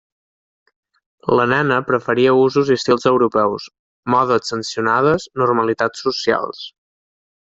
La nena preferia usos i estils europeus, modes sancionades, normalitats socials.